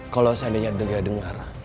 kalau seandainya dia dengar